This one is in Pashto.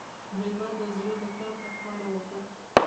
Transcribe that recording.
مېلمه ته د زړه له درده خواړه ورکړه.